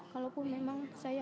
kalaupun memang saya